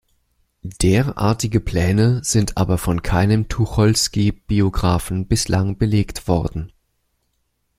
Derartige Pläne sind aber von keinem Tucholsky-Biographen bislang belegt worden.